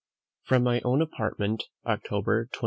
From my own Apartment, October 25.